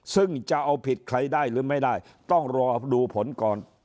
ซึ่งจะเอาผิดใครได้หรือไม่ได้ต้องรอดูผลก่อน